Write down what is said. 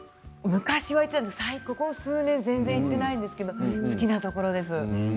昔は行ったんですけれどもここ数年、全然行っていないんですけれども好きなところです。